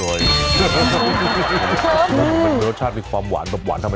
โอ้โหเป็นอีกรุ่นนี้เท่าไหร่ครับ